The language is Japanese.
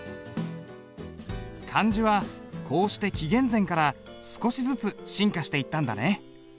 漢字はこうして紀元前から少しずつ進化していったんだね。